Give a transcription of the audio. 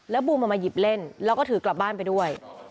แล้วบูมเอามาหยิบเล่นแล้วก็ถือกลับบ้านไปด้วย